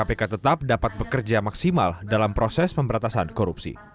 kpk tetap dapat bekerja maksimal dalam proses pemberantasan korupsi